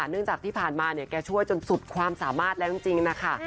เนื่องจากที่ผ่านมาเนี่ยแกช่วยจนสุดความสามารถแล้วจริงนะคะ